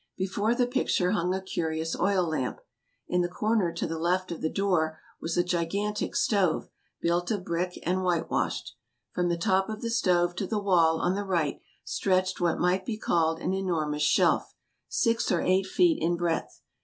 Before the picture hung a curious oil lamp. In the corner to the left of the door was a gigantic stove, built of brick, and whitewashed. From the top of the stove to the wall on the right stretched what might be called an enormous shelf, six or eight feet in breadth.